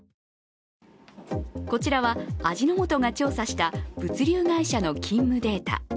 こちらは味の素が調査した物流会社の勤務データ。